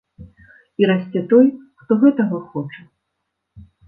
І расце той, хто гэтага хоча.